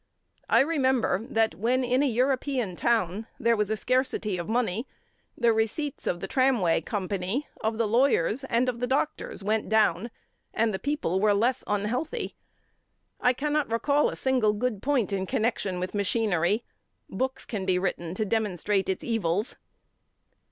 I remember that, when in a European town there was a scarcity of money, the receipts of the tramway company, of the lawyers and of the doctors, went down, and the people were less unhealthy. I cannot recall a single good point in connection with machinery. Books can be written to demonstrate its evils.